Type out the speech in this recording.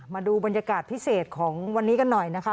มาดูบรรยากาศพิเศษของวันนี้กันหน่อยนะคะ